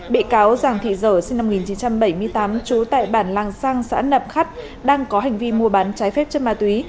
bị cáo giàng thị dở sinh năm một nghìn chín trăm bảy mươi tám trú tại bản làng sang xã nậm khắt đang có hành vi mua bán trái phép chất ma túy